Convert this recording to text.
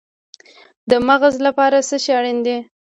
د مغز لپاره څه شی اړین دی؟